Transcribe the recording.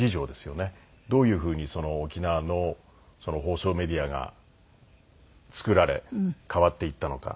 どういうふうに沖縄の放送メディアが作られ変わっていったのか。